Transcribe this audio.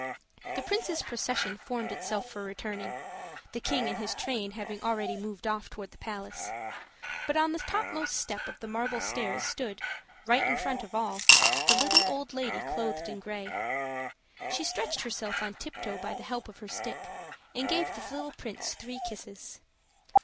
The Prince's procession formed itself for returning, the King and his train having already moved off toward the palace, but on the top most step of the marble stairs stood, right in front of all, the little old woman clothed in gray. She stretched herself on tiptoe by the help of her stick, and gave the little Prince three kisses.